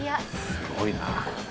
すごいな。